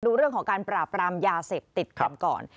ดูเรื่องของการปราบรามยาเสพติดกันก่อน